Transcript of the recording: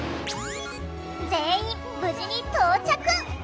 全員無事に到着。